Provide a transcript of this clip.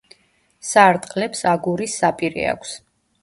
სარტყლებს აგურის საპირე აქვს.